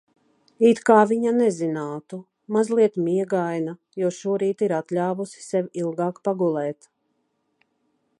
It kā viņa nezinātu. Mazliet miegaina, jo šorīt ir atļāvusi sev ilgāk pagulēt.